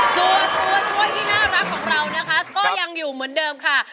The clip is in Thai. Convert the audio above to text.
ส่วนตัวช่วยที่น่ารักของเรานะคะก็ยังอยู่เหมือนเดิมค่ะ